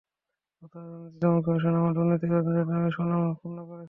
অথচ দুর্নীতি দমন কমিশন আমার দুর্নীতি তদন্তের নামে সুনাম ক্ষুণ্ন করছে।